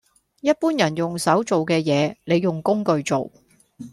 一般人用手做嘅嘢，你用工具做